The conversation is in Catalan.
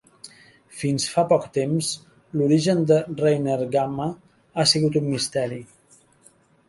Fins fa poc temps, l'origen de Reiner Gamma ha sigut un misteri.